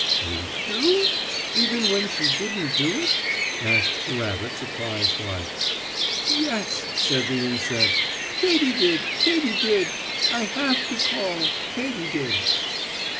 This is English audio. "You do? Even when she didn't do it?" asked the rabbit, surprised like. "Yes," said the insect. "Katy did! Katy did! I have to call Katy did."